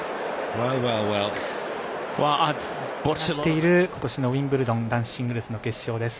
大熱戦になっている今年のウィンブルドン男子シングルスの決勝です。